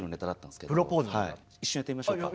一瞬やってみましょうか。